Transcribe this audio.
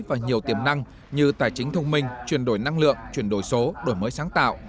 và nhiều tiềm năng như tài chính thông minh chuyển đổi năng lượng chuyển đổi số đổi mới sáng tạo